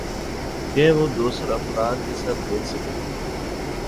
کہہ وہ دوسر افراد کے ثر دیکھ سکہ